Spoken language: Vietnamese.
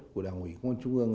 của đảng ủy công an trung ương